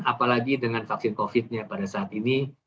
apalagi dengan vaksin covid nya pada saat ini